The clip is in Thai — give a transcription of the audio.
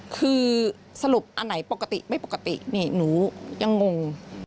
คือสรุปอันไหนปกติไม่ปกตินี่หนูยังงง